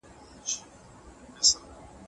د روسیې تاریخ په دې رومان کې ژوندی پاتې دی.